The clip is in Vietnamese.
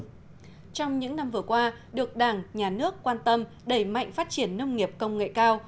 trong những năm vừa qua được đảng nhà nước quan tâm đẩy mạnh phát triển nông nghiệp công nghệ cao